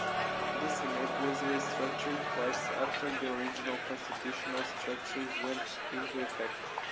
The Senate was restructured twice after the original constitutional structures went into effect.